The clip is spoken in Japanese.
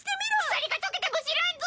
鎖が溶けても知らんぞ！